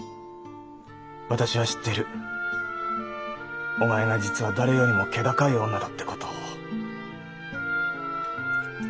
私は知ってるお前が実は誰よりも気高い女だって事を。